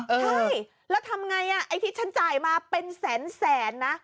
ใช่แล้วทำไงไอ้ที่ฉันจ่ายมาเป็นแสนนะ